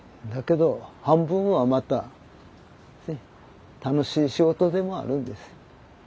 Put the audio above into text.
だけど半分はまたね楽しい仕事でもあるんです。